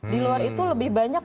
di luar itu lebih banyak